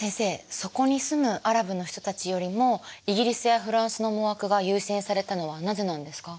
そこに住むアラブの人たちよりもイギリスやフランスの思惑が優先されたのはなぜなんですか？